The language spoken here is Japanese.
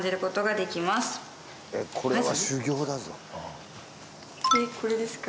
マジかえっこれですか？